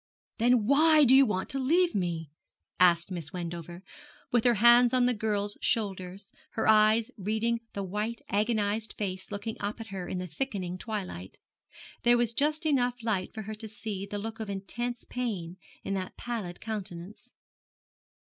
'Then why do you want to leave me?' asked Miss Wendover, with her hands on the girl's shoulders, her eyes reading the white agonised face looking up at her in the thickening twilight. There was just light enough for her to see the look of intense pain in that pallid countenance.